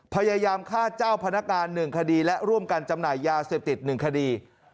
พยายามฆ่าเจ้าพนักงาน๑คดีและร่วมกันจำหน่ายยาเสพติด๑คดี